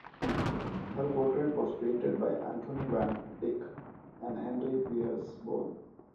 Her portrait was painted by Anthony van Dyck and Henry Pierce Bone.